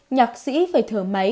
nhạc sĩ phải thở máy